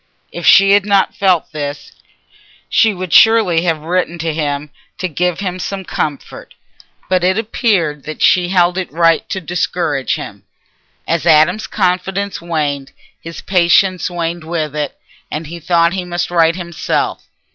If she had not felt this, she would surely have written to him to give him some comfort; but it appeared that she held it right to discourage him. As Adam's confidence waned, his patience waned with it, and he thought he must write himself.